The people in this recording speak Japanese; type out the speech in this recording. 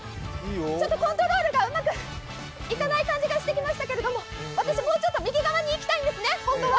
ちょっとコントロールがうまくいかない感じがしてきましたけど私もうちょっと右側に行きたいんですね、本当は。